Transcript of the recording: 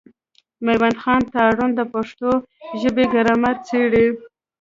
مېوند خان تارڼ د پښتو ژبي ګرامر څېړي.